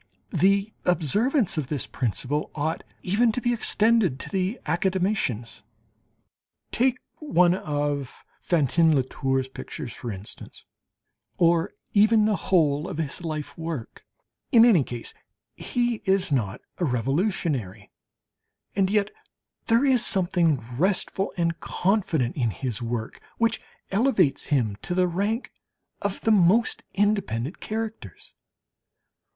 The observance of this principle ought even to be extended to the academicians. Take one of Fantin Latour's pictures, for instance, or even the whole of his life work! In any case he is not a revolutionary, and yet there is something restful and confident in his work, which elevates him to the rank of the most independent characters.